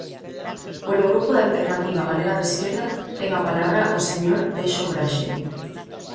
Polo Grupo da Alternativa Galega de Esquerda, ten a palabra o señor Bexo Braxe.